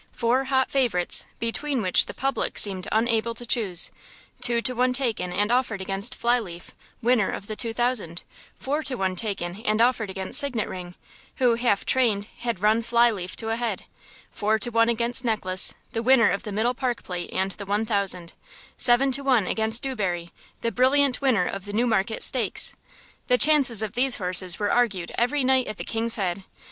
Four hot favourites, between which the public seemed unable to choose. Two to one taken and offered against Fly leaf, winner of the Two Thousand; four to one taken and offered against Signet ring, who, half trained, had run Fly leaf to a head. Four to one against Necklace, the winner of the Middle Park Plate and the One Thousand. Seven to one against Dewberry, the brilliant winner of the Newmarket stakes. The chances of these horses were argued every night at the "King's Head."